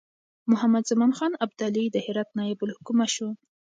محمدزمان خان ابدالي د هرات نایب الحکومه شو.